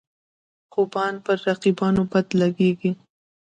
خوبان پر رقیبانو بد لګيږي.